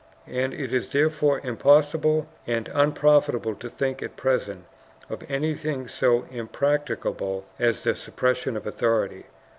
And it is therefore impossible and unprofitable to think at present of anything so impracticable as the suppression of authority.